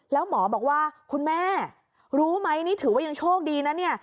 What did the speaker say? แล้วหมอบอกว่าคุณแม่รู้ไหมนี่ถือว่ายังโชคดีนะเนี่ย